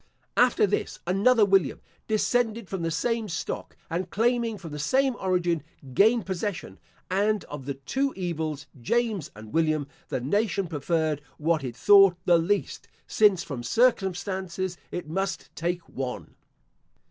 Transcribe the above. After this, another William, descended from the same stock, and claiming from the same origin, gained possession; and of the two evils, James and William, the nation preferred what it thought the least; since, from circumstances, it must take one.